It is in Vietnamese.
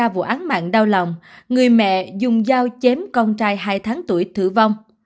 ba vụ án mạng đau lòng người mẹ dùng dao chém con trai hai tháng tuổi tử vong